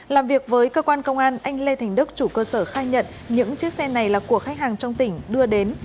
làm việc với cơ quan công an anh lê thành đức chủ cơ sở khai nhận những chiếc xe này là của khách hàng trong tỉnh đưa đến